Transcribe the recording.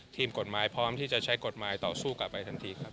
ทีมกฎหมายพร้อมที่จะใช้กฎหมายต่อสู้กลับไปทันทีครับ